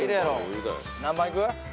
何番いく？